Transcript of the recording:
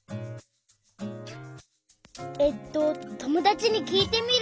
えっとともだちにきいてみる！